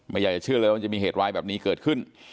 อยากจะเชื่อเลยว่ามันจะมีเหตุร้ายแบบนี้เกิดขึ้น